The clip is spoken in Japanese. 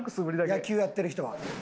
野球やってる人は。